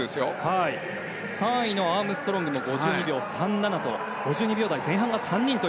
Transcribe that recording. ３位のアームストロングも５２秒３７と５２秒台前半が３人。